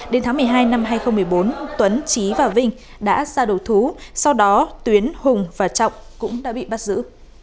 đến tháng một mươi hai năm hai nghìn một mươi bốn tuấn trí và vinh đã ra đầu thú sau đó tuyến hùng và trọng cũng đã bị bắt giữ